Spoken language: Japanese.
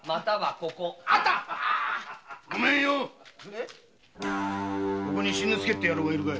ここに新之助って野郎いるかい？